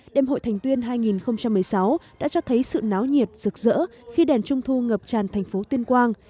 đêm hội thành tuyên hai nghìn một mươi sáu đã cho thấy sự náo nhiệt rực rỡ khi đèn trung thu ngập tràn thành phố tuyên quang